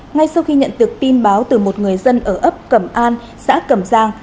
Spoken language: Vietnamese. ngay sau khi nhận được tin báo từ một người dân ở ấp cẩm an xã cẩm giang